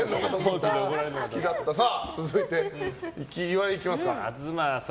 続いて、岩井いきますか。